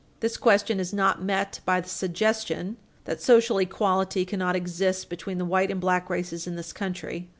This question is not met by the suggestion that social equality cannot exist between the white and black races in this country.